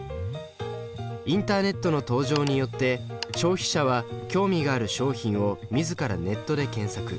インターネットの登場によって消費者は興味がある商品を自らネットで検索。